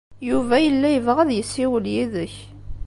Yuba yella yebɣa ad yessiwel yid-k.